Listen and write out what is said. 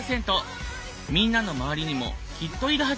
みんなの周りにもきっといるはず。